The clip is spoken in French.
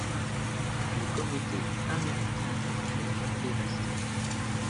Le Comité américain pour les régions dévastées.